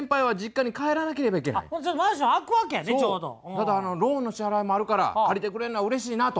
ただローンの支払いもあるから借りてくれんのはうれしいなと。